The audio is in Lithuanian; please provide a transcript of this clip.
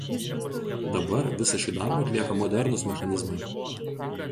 Dabar visą šį darbą atlieka modernūs mechanizmai